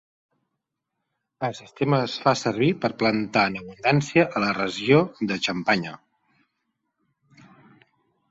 El sistema es va fer servir per plantar en abundància a la regió de la Xampanya.